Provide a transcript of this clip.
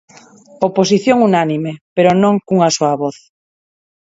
Oposición unánime, pero non cunha soa voz.